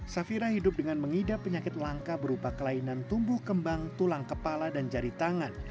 safira hidup dengan mengidap penyakit langka berupa kelainan tumbuh kembang tulang kepala dan jari tangan